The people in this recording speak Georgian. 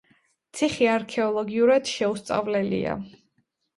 ციხე არქეოლოგიურად შეუსწავლელია.